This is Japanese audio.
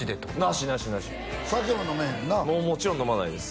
なしなしなし酒も飲めへんなあもうもちろん飲まないです